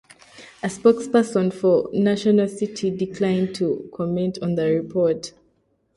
A spokesperson for National City declined to comment on the report.